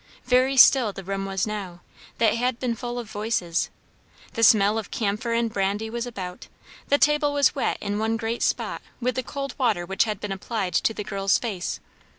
Very still the room was now, that had been full of voices; the smell of camphor and brandy was about; the table was wet in one great spot with the cold water which had been applied to the girl's face.